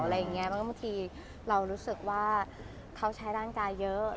บางทีเรารู้สึกว่าเขาใช้ร่างกายเยอะ